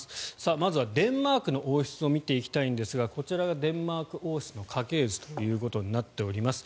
まずはデンマークの王室を見ていきたいんですがこちらがデンマーク王室の家系図ということになっております。